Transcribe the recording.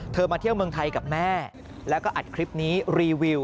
มาเที่ยวเมืองไทยกับแม่แล้วก็อัดคลิปนี้รีวิว